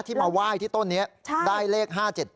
มาไหว้ที่ต้นนี้ได้เลข๕๗๗